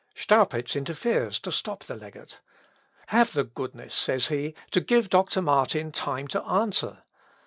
Staupitz interferes to stop the legate. "Have the goodness," says he, "to give Doctor Martin time to answer."